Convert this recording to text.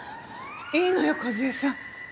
いいのよ梢さん。